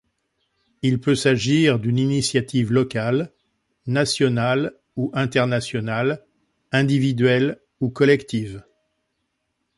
Il peut s'agit d'une initiative locale, nationale ou internationale, individuelle ou collective.